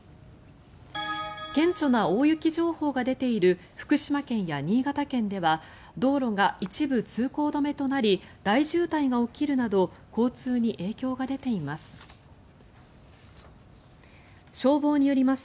顕著な大雪情報が出ている福島県や新潟県では道路が一部通行止めとなり大渋滞が起きるなど交通に影響が出ています。